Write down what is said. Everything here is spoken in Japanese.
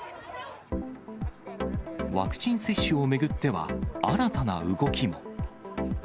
ワクチン接種を巡っては、新たな動きも。